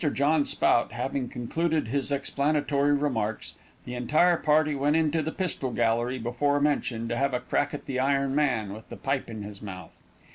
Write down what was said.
John Spout having concluded his explanatory remarks, the entire party went into the pistol gallery before mentioned, to have a crack at the iron man, with the pipe in his mouth.